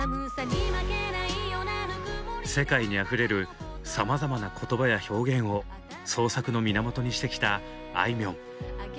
世界にあふれるさまざまな言葉や表現を創作の源にしてきたあいみょん。